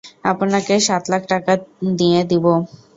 আপনাকে সাত লাখ টাকা নিয়ে দিব।